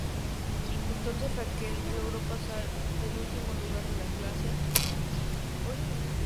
Entonces Raquel logró pasar del último lugar de la clase, al primero.